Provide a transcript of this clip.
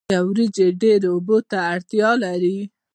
آیا وریجې ډیرو اوبو ته اړتیا لري؟